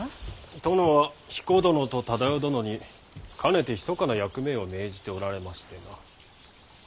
殿は彦殿と忠世殿にかねてひそかな役目を命じておられましてな。